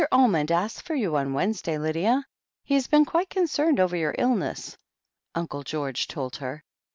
Almond asked after you on Wednesday, Lydia. He has been quite concerned over your illness," Uncle George told her.